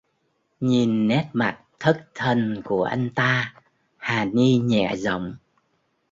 Nhìn nét mặt Thất thần của anh ta Hà Ni nhẹ giọng